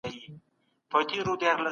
فساد د نظام بنسټونه لړزولي وو.